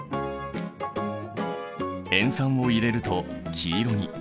塩酸を入れると黄色に。